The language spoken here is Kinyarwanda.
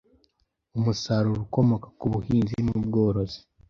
umusaruro ukomoka ku buhinzi n’ubworozi